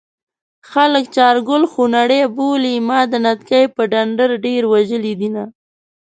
خلک چارګل خونړی بولي ما د نتکۍ په ډنډر ډېر وژلي دينه